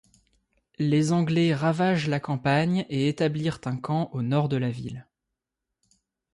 Les Anglais ravagent la campagne et établirent un camp au nord de la ville.